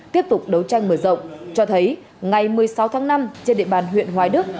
tiếp tục đấu tranh mở rộng cho thấy ngày một mươi sáu tháng năm trên địa bàn huyện hoài đức